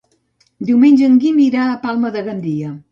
Diumenge en Guim irà a Palma de Gandia.